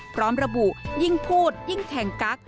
พร้อมระบุยิ่งพูดยิ่งแข่งกัก